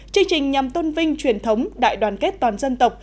chương trình nhằm tôn vinh truyền thống đại đoàn kết toàn dân tộc